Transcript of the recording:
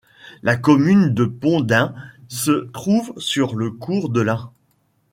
La commune de Pont-d'Ain se trouve sur le cours de l'Ain.